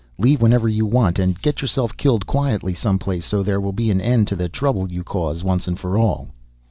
Leave whenever you want. And get yourself killed quietly some place so there will be an end to the trouble you cause once and for all."